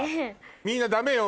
みんなダメよ